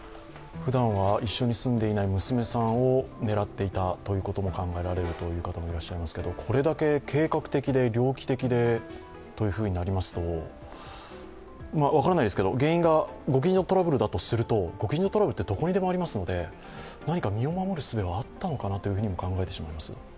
ふだんは一緒に住んでいない娘さんを狙っていたということも考えられるという方もいらっしゃいますけれどもこれだけ計画的で猟奇的でとなりますと、分からないですけど、原因がご近所トラブルだとするとご近所トラブルってどこにでもありますので何か身を守るすべがあったのではないかと思います。